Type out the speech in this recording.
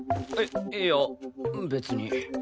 いいや別に。